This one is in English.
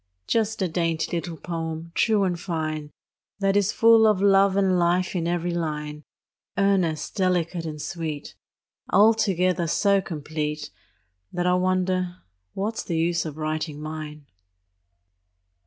Just a dainty little poem, true and fine, That is full of love and life in every line, Earnest, delicate, and sweet, Altogether so complete That I wonder what's the use of writing mine.